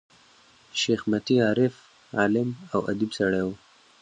شېخ متي عارف، عالم او اديب سړی وو.